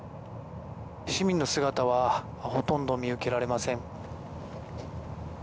市民の姿はほとんど見受けられません。